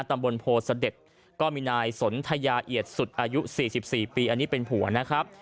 ตำบลโพเสด็จก็มีนายสนทยาเอียดสุดอายุ๔๔ปีอันนี้เป็นผัวนะครับ